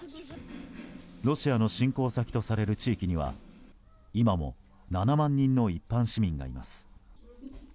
ロシアの侵攻先とされる地域には今も７万人の一般市民がいます。